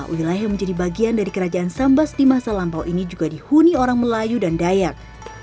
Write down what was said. wilayah yang menjadi bagian dari kerajaan sambas di masa lampau ini juga dihuni orang melayu dan dayak